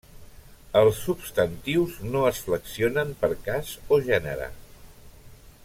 Els substantius no es flexionen per cas o gènere.